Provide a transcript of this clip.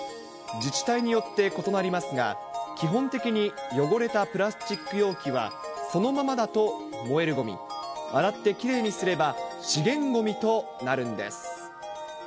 自治体によって異なりますが、基本的に汚れたプラスチック容器はそのままだと燃えるごみ、洗ってきれいにすれば資源ごみとなるんです。